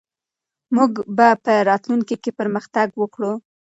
موږ به په راتلونکي کې پرمختګ وکړو.